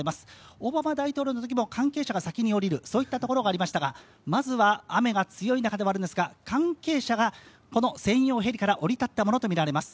オバマ大統領の時も関係者が先に降りるそういったところがありましたが、まずは雨が強い中ではあるんですが、関係者がこの専用ヘリから降り立ったものとみられます。